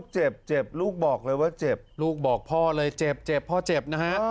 เจ็บหรือโอ้ยลูกบอกเลยว่าเจ็บ